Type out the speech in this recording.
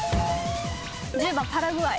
１０番パラグアイ。